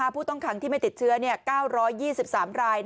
ผู้ต้องขังที่ไม่ติดเชื้อ๙๒๓ราย